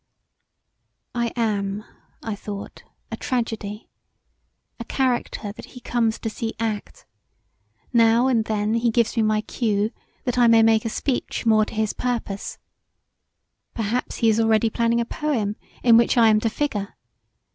I am, I thought, a tragedy; a character that he comes to see act: now and then he gives me my cue that I may make a speech more to his purpose: perhaps he is already planning a poem in which I am to figure.